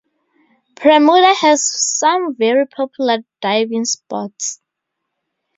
Premuda has some very popular diving spots.